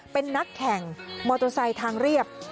เป็นนักแข่งมอเตอร์ไซค์ทางเรียบ